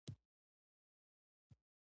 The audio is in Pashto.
افرین افرین، افرین یې پرته له کوم ازمېښته راکړه.